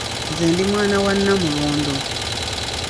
Nze ndi mwana wa Namulondo.